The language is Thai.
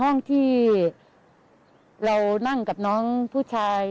ห้องที่เรานั่งกับน้องผู้ชาย